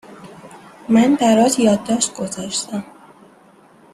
من برات یادداشت گذاشتم